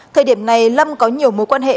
thời điểm này lâm có nhiều mối quan hệ